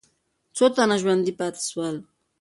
څو تنه ژوندي پاتې سول؟